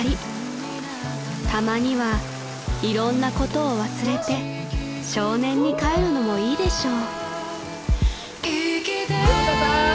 ［たまにはいろんなことを忘れて少年に帰るのもいいでしょう］